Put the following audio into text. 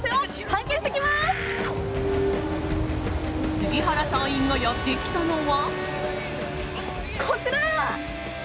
杉原隊員がやってきたのは。